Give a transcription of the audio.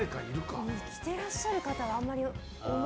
着ていらっしゃる方があまり。